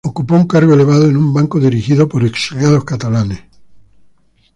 Ocupó un cargo elevado en un banco dirigido por exiliados catalanes.